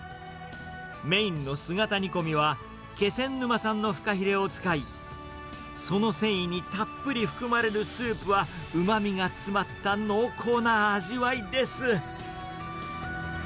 メインの姿煮込みは、気仙沼産のフカヒレを使い、その繊維にたっぷり含まれるスープは、うまみが詰まった濃厚な味わいです。